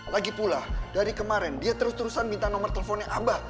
lagipula dari kemarin dia terus terusan minta nomer teleponnya abah